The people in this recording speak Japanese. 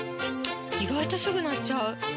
意外とすぐ鳴っちゃう！